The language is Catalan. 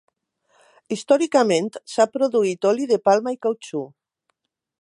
Històricament s’ha produït oli de palma i cautxú.